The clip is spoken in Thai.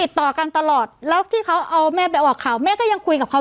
ติดต่อกันตลอดแล้วที่เขาเอาแม่ไปออกข่าวแม่ก็ยังคุยกับเขา